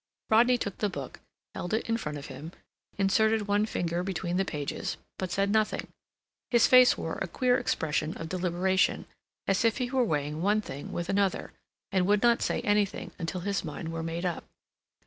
Rodney took the book, held it in front of him, inserted one finger between the pages, but said nothing. His face wore a queer expression of deliberation, as if he were weighing one thing with another, and would not say anything until his mind were made up.